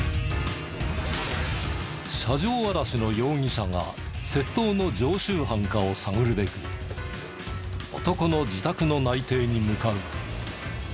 車上あらしの容疑者が窃盗の常習犯かを探るべく男の自宅の内偵に向かう。